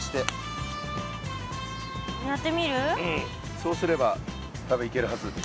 そうすれば多分いけるはず。